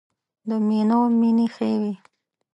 د مینو مینې ښې وې.